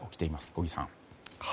小木さん。